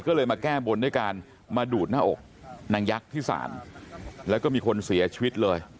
ก็เลยมาแก้บนด้วยการมาดูดหน้าอกนางยักษ์ที่ศาลแล้วก็มีคนเสียชีวิตเลย